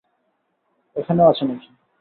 এখানেও আছে নাকি?